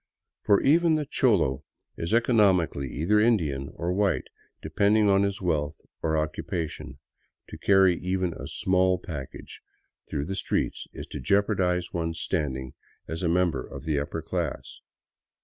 For even the cholo is economically either Indian or white, depending on his wealth or occupation. To carry even a small package through the streets is to jeopardize one's standing as a member of the upper class.